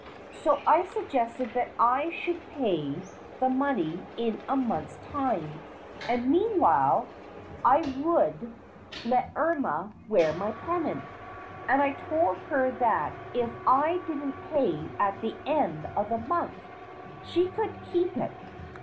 So I suggested that I should pay the money in a month's time, and meanwhile I would let Irma wear my pendant, and I told her that if I didn't pay at the end of the month she could keep it.